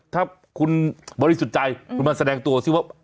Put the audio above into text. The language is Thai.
ถ้าคุณบริษัทจัยคุณมาแสดงตัวซึ่งว่า